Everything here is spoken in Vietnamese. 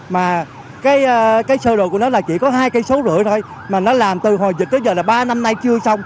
mà cái sơ đồ của nó là chỉ có hai năm km thôi mà nó làm từ hồi dịch tới giờ là ba năm nay chưa xong